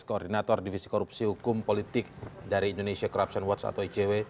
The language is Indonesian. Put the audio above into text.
koordinator divisi korupsi hukum politik dari indonesia corruption watch atau icw